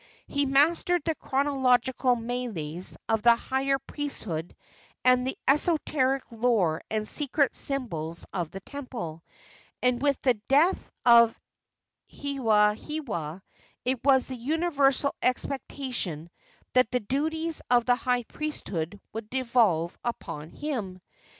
He mastered the chronological meles of the higher priesthood and the esoteric lore and secret symbols of the temple, and with the death of Hewahewa it was the universal expectation that the duties of the high priesthood would devolve upon him.